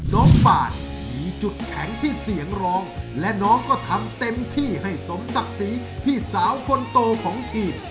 น้องปานมีจุดแข็งที่เสียงร้องและน้องก็ทำเต็มที่ให้สมศักดิ์ศรีพี่สาวคนโตของทีม